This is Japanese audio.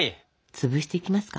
つぶしていきますか？